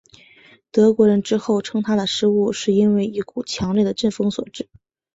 德国人之后称他的失误是因为一股强烈的阵风所致。